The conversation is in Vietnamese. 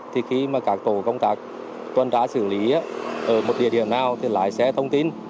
thì khi mà các tổ công tác tuần tra xử lý ở một địa điểm nào thì lái xe thông tin